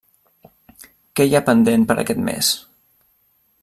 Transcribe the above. Què hi ha pendent per a aquest mes?